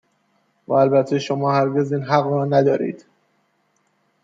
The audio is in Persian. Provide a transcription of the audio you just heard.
و البته شما هرگز این حق را ندارید